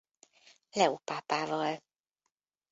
Leó pápával.